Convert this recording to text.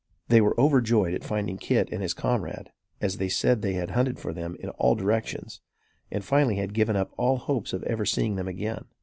They were overjoyed at finding Kit and his comrade, as they said that they had hunted for them in all directions; and, finally had given up all hopes of ever seeing them again.